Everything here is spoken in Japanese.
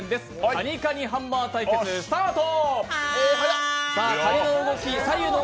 「カニカニハンマー」対決スタート！